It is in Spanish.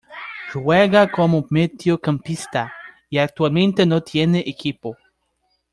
Juega como mediocampista y actualmente no tiene equipo.